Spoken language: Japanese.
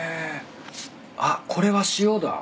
あっこれは塩だ。